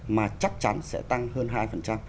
mà chắc chắn sẽ tăng hơn hai